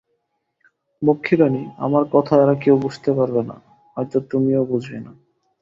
মক্ষীরানী, আমার কথা এরা কেউ বুঝতে পারবে না, হয়তো তুমিও বুঝবে না।